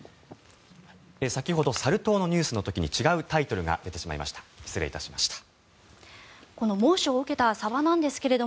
先ほどサル痘のニュースの時に違うタイトルが出てしまいました失礼いたしました。